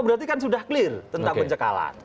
berarti kan sudah clear tentang pencekalan